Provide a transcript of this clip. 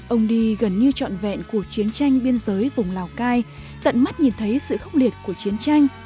ông đi gần như trọn vẹn cuộc chiến tranh biên giới vùng lào cai tận mắt nhìn thấy sự khốc liệt của chiến tranh